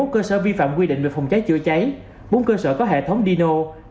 hai mươi cơ sở vi phạm quy định về phòng cháy chữa cháy bốn cơ sở có hệ thống dio